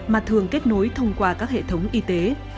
mà thường kết nối thông qua các hệ thống y tế